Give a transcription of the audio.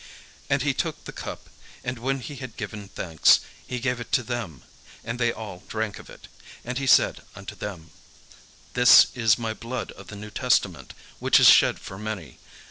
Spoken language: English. And he took the cup, and when he had given thanks, he gave it to them: and they all drank of it. And he said unto them: "This is my blood of the new testament, which is shed for many.